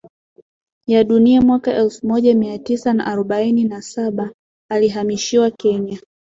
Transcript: ya Dunia Mwaka elfu moja Mia Tisa na arobaini na Saba alihamishiwa Kenya